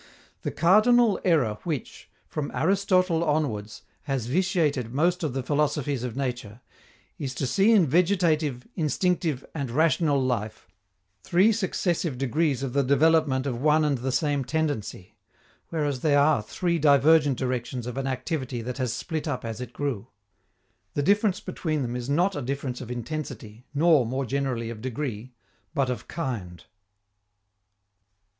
_The cardinal error which, from Aristotle onwards, has vitiated most of the philosophies of nature, is to see in vegetative, instinctive and rational life, three successive degrees of the development of one and the same tendency, whereas they are three divergent directions of an activity that has split up as it grew._ The difference between them is not a difference of intensity, nor, more generally, of degree, but of kind.